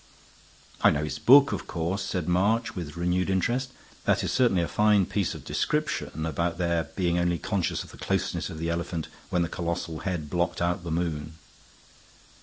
"I know his book, of course," said March, with renewed interest. "That is certainly a fine piece of description, about their being only conscious of the closeness of the elephant when the colossal head blocked out the moon."